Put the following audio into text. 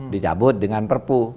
dicabut dengan perpu